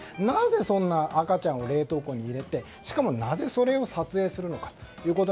なぜそんな赤ちゃんを冷凍庫に入れてしかも、なぜそれを撮影するのか。